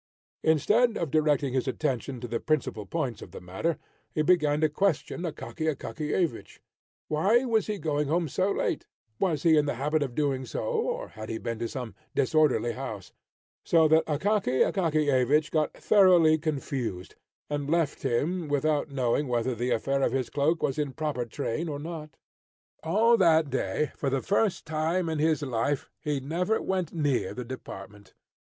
Instead of directing his attention to the principal points of the matter, he began to question Akaky Akakiyevich. Why was he going home so late? Was he in the habit of doing so, or had he been to some disorderly house? So that Akaky Akakiyevich got thoroughly confused, and left him, without knowing whether the affair of his cloak was in proper train or not. All that day, for the first time in his life, he never went near the department.